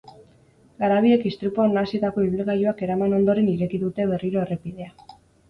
Garabiek istripuan nahasitako ibilgailuak eraman ondoren ireki dute berriro errepidea.